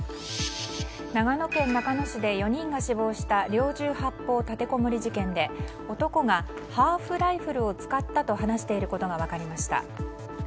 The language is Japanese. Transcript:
長野県中野市で４人が死亡した猟銃発砲立てこもり事件で男がハーフライフルを使ったと話していることが分かりました。